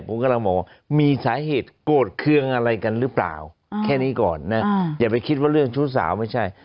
ผมกำลังบอกว่ามีสาเหตุโกรธเครื่องอะไรกันหรือเปล่าแค่นี้ก่อนนะอย่าไปคิดว่าเรื่องชู้สาวไม่ใช่